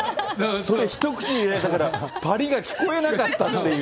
それ、一口に入れられたから、ぱりっが聞こえなかったっていう。